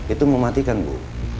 itu mematikan bu